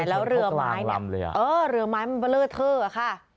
แล้วเหลือไม้มันเบลือเทอ่ะค่ะ